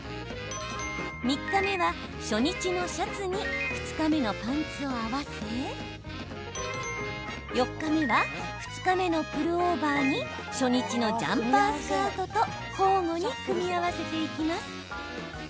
３日目は、初日のシャツに２日目のパンツを合わせ４日目は２日目のプルオーバーに初日のジャンパースカートと交互に組み合わせていきます。